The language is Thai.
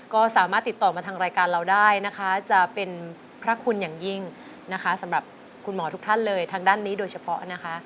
ก็สามารถติดต่อมาทางรายการเราได้นะคะจะเป็นพระคุณอย่างยิ่งนะคะสำหรับคุณหมอทุกท่านเลยทางด้านนี้โดยเฉพาะนะคะ